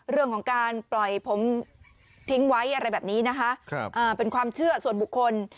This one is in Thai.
เรื่องของการปล่อยผมทิ้งไว้อะไรแบบนี้นะคะเป็นความเชื่อส่วนบุคคล